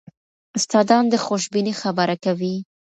استادان د خوشبینۍ خبره کوي.